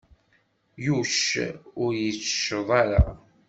Yuc ur yettecceḍ ara.